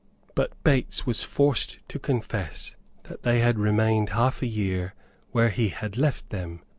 But Bates was forced to confess that they had remained half a year where he had left them.